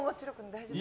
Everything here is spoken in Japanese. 大丈夫？